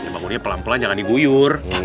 bangunnya pelan pelan jangan diguyur